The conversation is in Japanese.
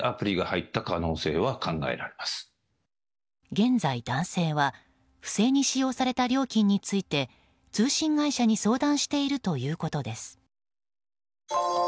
現在、男性は不正に使用された料金について通信会社に相談しているということです。